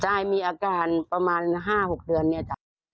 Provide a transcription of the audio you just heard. ใช่มีอาการประมาณ๕๖เดือนเนี่ยจ้ะ